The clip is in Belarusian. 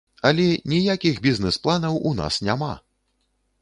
Але ніякіх бізнэс-планаў у нас няма!